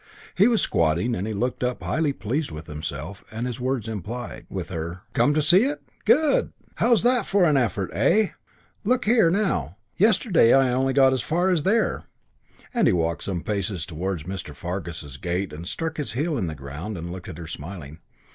He was squatting and he looked up highly pleased with himself and, his words implied, with her. "Come to see it? Good! How's that for an effort, eh? Look here now. Yesterday I only got as far as here," and he walked some paces towards Mr. Fargus's gate and struck his heel in the ground and looked at her, smiling.